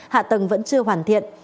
hạ tầng vẫn chưa hoàn thiện